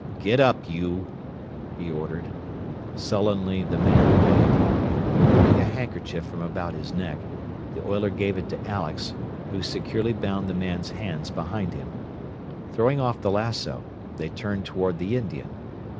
"Get up, you!" he ordered. Sullenly the man obeyed. Removing a handkerchief from about his neck, the oiler gave it to Alex, who securely bound the man's hands behind him. Throwing off the lassoo, they turned toward the Indian.